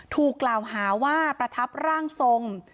ถูกกล่าวหาว่าประทับร่างทรง